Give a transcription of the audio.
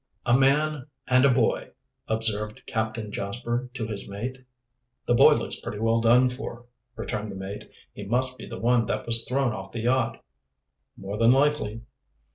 "A man and a boy," observed Captain Jasper to his mate. "The boy looks pretty well done for," returned the mate. "He must be the one that was thrown off the yacht." "More than likely."